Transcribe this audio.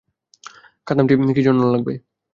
কাদামাটি কিজন্য লাগবে?